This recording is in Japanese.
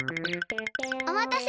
おまたせ！